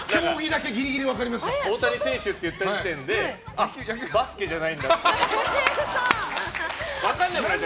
大谷選手って言った時点でバスケじゃないんだって。